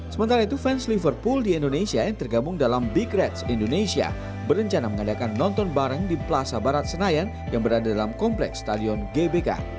sementara itu fans liverpool di indonesia yang tergabung dalam big reds indonesia berencana mengadakan nonton bareng di plaza barat senayan yang berada dalam kompleks stadion gbk